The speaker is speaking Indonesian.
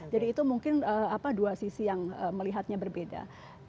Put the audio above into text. jadi itu mungkin dua sisi yang melihatnya berbeda